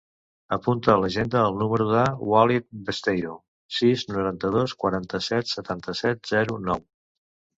Apunta a l'agenda el número del Walid Besteiro: sis, noranta-dos, quaranta-set, setanta-set, zero, nou.